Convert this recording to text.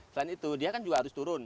selain itu dia kan juga harus turun